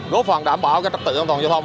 đối phòng đảm bảo các trạc tự an toàn giao thông